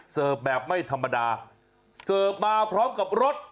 แบบไม่ธรรมดาเสิร์ฟมาพร้อมกับรส